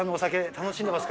楽しんでます。